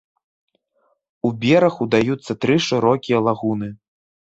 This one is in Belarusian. У бераг удаюцца тры шырокія лагуны.